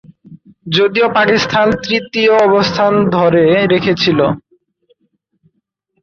যদিও পাকিস্তান তৃতীয় অবস্থানে ধরে রেখেছিল।